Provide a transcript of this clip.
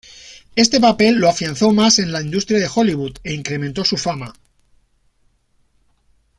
Este papel lo afianzó más en la industria de Hollywood e incrementó su fama.